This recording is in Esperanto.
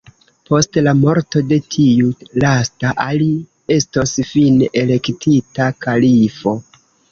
Post la morto de tiu lasta, Ali estos fine elektita kalifo.